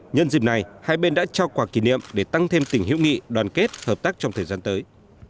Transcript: nhân dịp này hai bên đã trao quả kỷ niệm để tăng thêm tình hữu nghị đoàn kết hợp tác trong thời gian tới